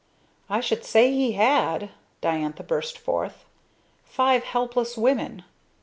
"I should say he had!" Diantha burst forth. "Five helpless women!